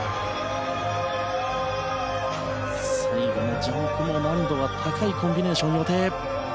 最後のジャンプも難度が高いコンビネーション。